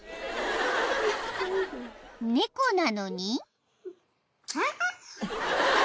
［猫なのに］